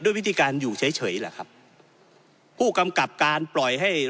ด้วยวิธีการอยู่เฉยเฉยล่ะครับผู้กำกลับการปล่อยให้ลอง